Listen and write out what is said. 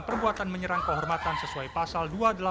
perbuatan menyerang kehormatan sesuai pasal